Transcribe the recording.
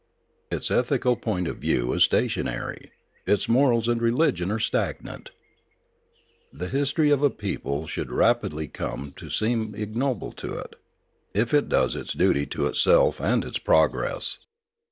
Its ethical point of view is stationary, its morals and religion are stagnant. The history of a people should rapidly come to seem ignoble to it, if it does its duty to itself and its progress.